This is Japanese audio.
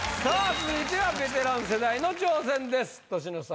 続いてはベテラン世代の挑戦です年の差